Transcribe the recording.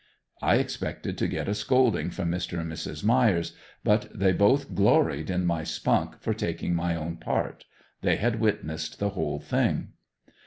I expected to get a scolding from Mr. and Mrs. Myers, but they both gloried in my spunk for taking my own part. They had witnessed the whole thing.